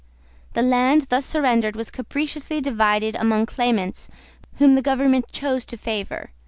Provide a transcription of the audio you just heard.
The land thus surrendered was capriciously divided among claimants whom the government chose to favour.